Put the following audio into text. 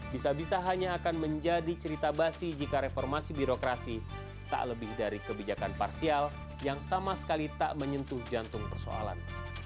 bisa bisa hanya akan menjadi cerita basi jika reformasi birokrasi tak lebih dari kebijakan parsial yang sama sekali tak menyentuh jantung persoalan